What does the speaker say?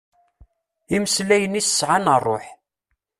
Imeslayen-is sɛan rruḥ.